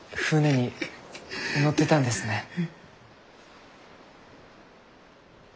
船に乗ってたんですね。